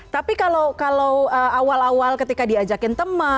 tapi kalau awal awal ketika diajakin temen kemudian diajak ajakin temen ya nggak sih